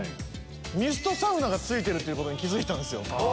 ミストサウナが付いてることに気付いたんですよ。